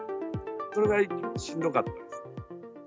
それがしんどかったです。